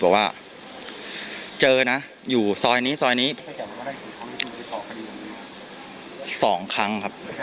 บอกว่าเจอน่ะอยู่ซอยนี้ซอยนี้สองครั้ง